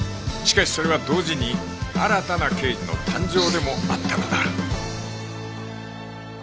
しかしそれは同時に新たな刑事の誕生でもあったのだ